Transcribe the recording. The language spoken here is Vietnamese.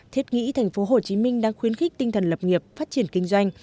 thiết nghĩ thành phố hồ chí minh đang khuyến khích tinh thần lập nghiệp phát triển kinh doanh